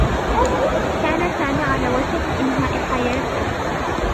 كان سامي على وشك إنهاء حياته.